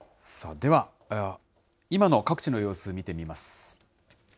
では、今の各地の様子、見てみます。